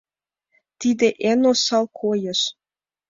Тиде эн осал койыш.